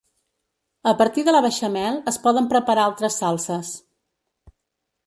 A partir de la beixamel es poden preparar altres salses.